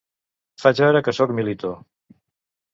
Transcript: Faig veure que sóc Milito.